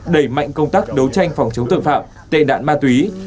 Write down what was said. đẩy mạnh công tác đấu tranh phòng chống tượng phạm tệ đạn ma túy